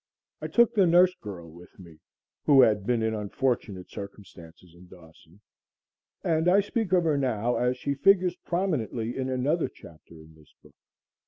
I took the nurse girl with me who had been in unfortunate circumstances in Dawson and I speak of her now, as she figures prominently in another chapter in this book.